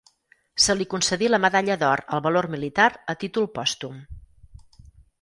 Se li concedí la Medalla d'Or al Valor Militar a títol pòstum.